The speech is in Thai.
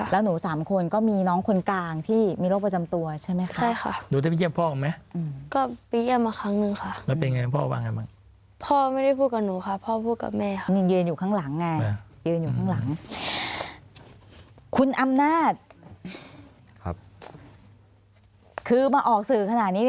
แล้วหนูสามคนก็มีน้องคนกลางที่มีโรคประจำตัวใช่ไหมคะ